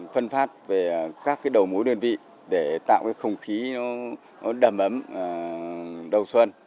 phân phát về các cái đầu mối đơn vị để tạo cái không khí nó đầm ấm đầu xuân